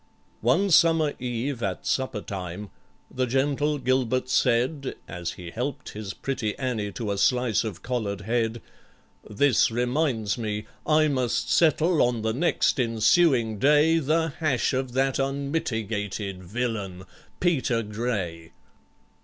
One summer eve, at supper time, the gentle GILBERT said (As he helped his pretty ANNIE to a slice of collared head), "This reminds me I must settle on the next ensuing day The hash of that unmitigated villain PETER GRAY."